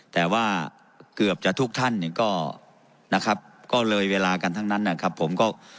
แต่ว่าเกือบจะทุกท่านเนี่ยก็นะครับก็เลยเวลากันทั้งนั้นนะครับผมก็